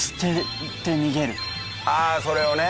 ああそれをね。